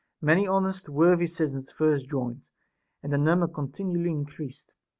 Many honest worthy citizens at first joined, and their num ber continually increased.